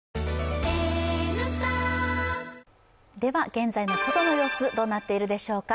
現在の外の様子どうなっているでしょうか。